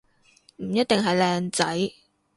唔一定係靚仔